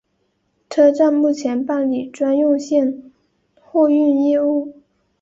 车站目前办理专用线货运业务。